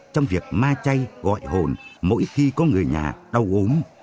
trong việc ma chay gọi hồn mỗi khi có người nhà đau ốm